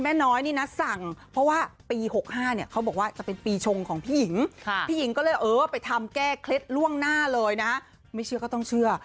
ไม่เชื่อก็ต้องเชื่อ